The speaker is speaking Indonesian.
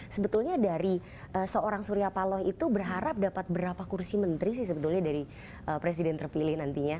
sebetulnya dari seorang surya paloh itu berharap dapat berapa kursi menteri sih sebetulnya dari presiden terpilih nantinya